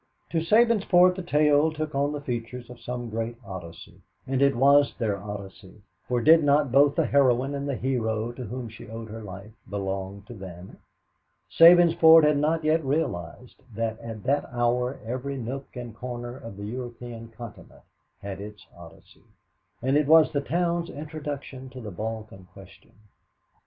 To Sabinsport the tale took on the features of some great Odyssey, and it was their Odyssey, for did not both the heroine and the hero to whom she owed her life belong to them? Sabinsport had not yet realized that at that hour every nook and corner of the European continent had its Odyssey. And it was the town's introduction to the Balkan question.